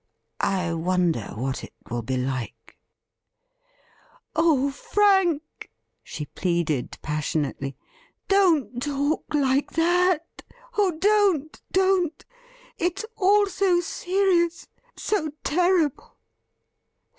I wonder what it will be like .?'' Oh, Frank,' she pleaded passionately, ' don't talk like that ! Oh, don't, don't ! it's all so serious — so terrible.'